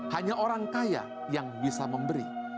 hanya orang kaya yang bisa memberi